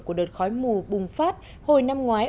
của đợt khói mù bùng phát hồi năm ngoái